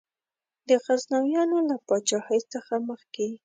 د غزنویانو له پاچهۍ څخه مخکي.